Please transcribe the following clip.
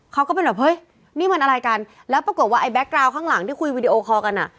เขาก็เป็นแบบเฮ้ยนี่มันอะไรกันแล้วปรากฏว่าไอ้แก๊กกราวข้างหลังที่คุยวีดีโอคอลกันอ่ะ